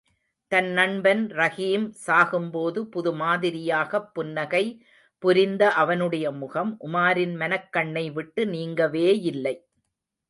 தன் நண்பன் ரஹீம் சாகும்போது புது மாதிரியாகப் புன்னகை புரிந்த அவனுடைய முகம் உமாரின் மனக்கண்ணை விட்டு நீங்கவேயில்லை.